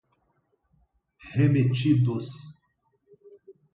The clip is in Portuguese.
remetidos